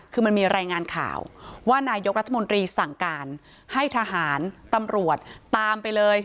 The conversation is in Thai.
คือมันมีรายงานข่าวว่านายกรัฐมนตรีสั่งการให้ทหารตำรวจตามไปเลย